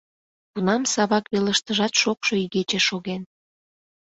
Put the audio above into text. Тунам Савак велыштыжат шокшо игече шоген.